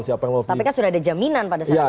tapi kan sudah ada jaminan pada saat itu